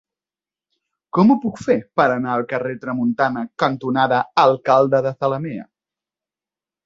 Com ho puc fer per anar al carrer Tramuntana cantonada Alcalde de Zalamea?